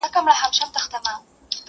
زه درڅخه ځمه ته اوږدې شپې زنګوه ورته!!